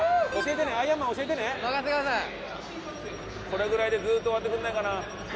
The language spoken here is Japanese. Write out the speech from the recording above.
これぐらいでずっと終わってくれないかな。